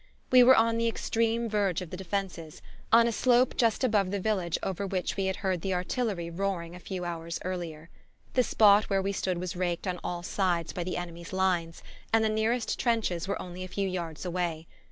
We were on the extreme verge of the defences, on a slope just above the village over which we had heard the artillery roaring a few hours earlier. The spot where we stood was raked on all sides by the enemy's lines, and the nearest trenches were only a few yards away.